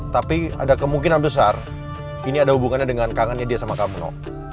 tapi ada kemungkinan besar ini ada hubungannya dengan kangennya dia sama kamu